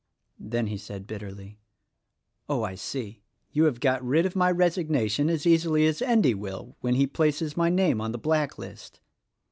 Then he said bitterly, "Oh, I see, you have got rid of my resignation as easily as Endy will — when he places my name on the blacklist."